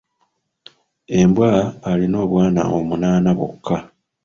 Embwa alina obwana omunaana bwokka.